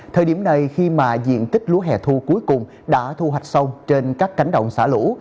thời điểm này khi mà diện tích lúa hẻ thu cuối cùng đã thu hoạch sâu trên các cánh đồng xả lũ